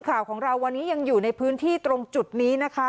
ข่าวของเราวันนี้ยังอยู่ในพื้นที่ตรงจุดนี้นะคะ